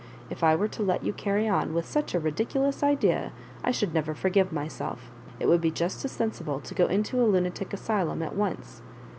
If I were to let you carry on with such a ridiculous idea, I should never forgive myself. It would be " just as sensible to go into a lunatic asylum at once.